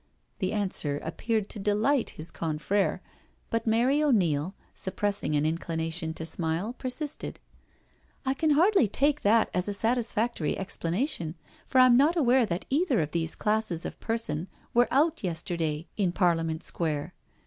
The answer appeared to delight his confrire^ but Mary O'Neil, suppressing an inclination to smile, persisted: " I can hardly take that as a satisfactory explanation, for I'm not aware that either of these classes of per son were out yesterday in Parliament Square.